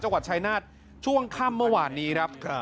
จังหวัดชายนาฏช่วงค่ำเมื่อวานนี้ครับ